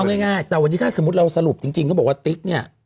เอาง่ายแต่วันนี้ถ้าสมมุติเราสรุปจริงเขาบอกว่าติ๊กเนี่ย